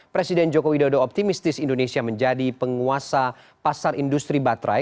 presiden joko widodo optimistis indonesia menjadi penguasa pasar industri baterai